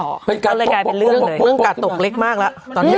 กาดตกเรื่องกาดตกเล็กมากแล้ว